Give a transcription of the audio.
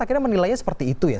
akhirnya menilainya seperti itu ya